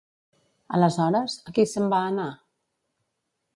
Aleshores, qui se'n va anar?